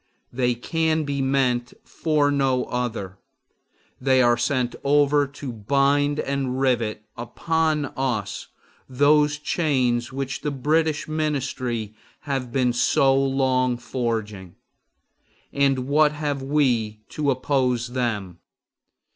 They can be meant for no other. They are sent over to bind and rivet upon us those chains which the British ministry have been so long forging. And what have we to oppose them?